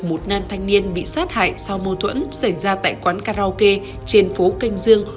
một nam thanh niên bị sát hại sau mô thuẫn xảy ra tại quán karaoke trên phố kênh dương